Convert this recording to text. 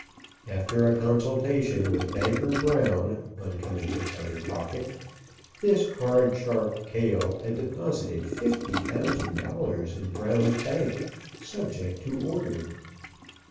After a consultation with Banker Brown, on coming to Powder Pocket, this Card Sharp Cale had deposited fifty thousand dollars in Brown's bank, subject to order.